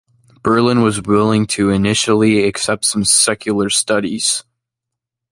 Berlin was willing to initially accept some secular studies.